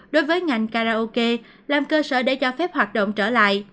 đối với ngành karaoke làm cơ sở để cho phép hoạt động trở lại